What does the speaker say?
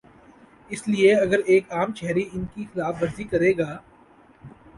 اس لیے اگر ایک عام شہری ان کی خلاف ورزی کرے گا۔